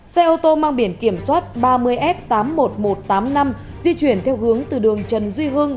xe ô tô mang biển kiểm soát ba mươi f tám mươi một nghìn một trăm tám mươi năm di chuyển theo hướng từ đường trần duy hưng